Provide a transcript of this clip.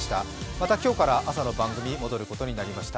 また今日から朝の番組、戻ることになりました。